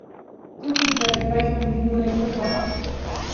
tukuy taripayku mikunaykupaq